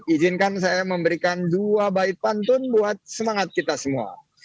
izinkan saya memberikan dua baik pantun buat semangat kita semua